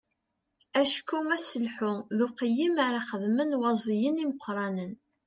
Acku aselḥu d uqeyyem ara xedmen waẓiyen imeqqranen.